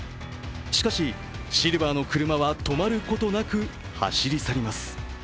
しかし、シルバーの車は止まることなく、走り去ります。